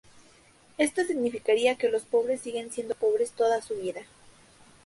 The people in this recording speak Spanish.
Esto significaría que los pobres siguen siendo pobres toda su vida.